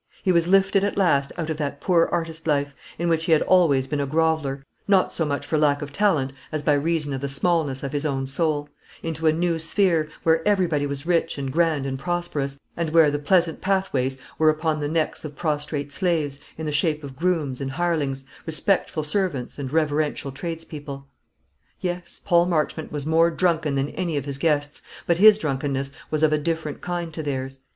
He was lifted at last out of that poor artist life, in which he had always been a groveller, not so much for lack of talent as by reason of the smallness of his own soul, into a new sphere, where everybody was rich and grand and prosperous, and where the pleasant pathways were upon the necks of prostrate slaves, in the shape of grooms and hirelings, respectful servants, and reverential tradespeople. Yes, Paul Marchmont was more drunken than any of his guests; but his drunkenness was of a different kind to theirs.